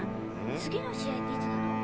次の試合っていつなの？